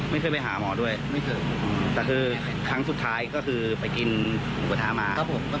ไม่เคยไปหาหมอด้วยแต่คือครั้งสุดท้ายก็คือไปกินหมูกวะทามา